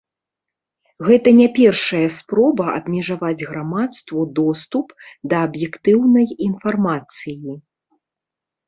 Гэта не першая спроба абмежаваць грамадству доступ да аб'ектыўнай інфармацыі.